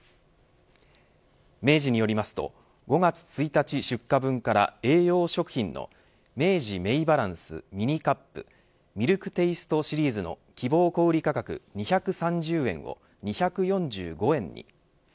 明治によりますと５月１日出荷分から栄養食品の明治メイバランスＭｉｎｉカップミルクテイストシリーズの希望小売価格２３０円を２４５円に。